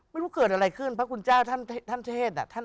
ไม่รู้เกิดอะไรขึ้นพระคุณเจ้าท่านเทศ